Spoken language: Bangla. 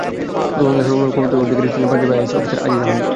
পূর্ব বাংলার সর্বময় ক্ষমতার অধিকারী ছিলেন পাঞ্জাবি আইসিএস অফিসার আজিজ আহমদ।